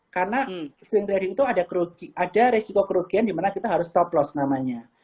karena swing trading itu ada resiko kerugian dimana kita harus stop loss namanya